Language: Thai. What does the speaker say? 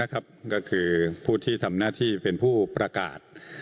ก็คือผู้ที่ทำหน้าที่เป็นผู้ประกาศ